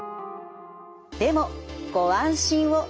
でもご安心を。